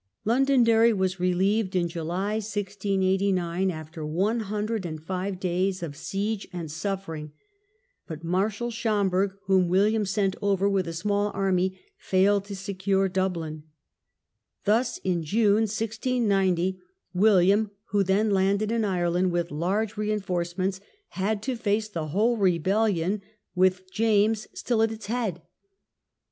Londonderry was relieved in July, 1689, after 105 days of siege and suffering; but Marshal Schomberg, whom William sent over with a small army, failed to secure Dublin. Thus in June, 1690, William, who then landed in Ireland with large reinforcements, had to face the whole rebellion with James still at its head.